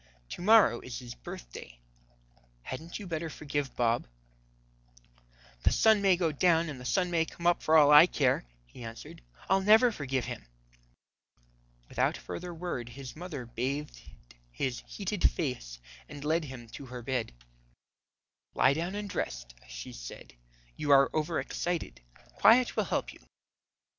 To morrow is His birthday. Hadn't you better forgive Bob?" "The sun may go down and the sun may come up for all I care," he answered, "I'll never forgive him." Without further word his mother bathed his heated face and led him to her bed. "Lie down and rest," she said, "you are over excited. Quiet will help you."